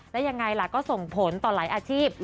แล้วยังไงล่ะก็ส่งผลต่อหลายอาชีพ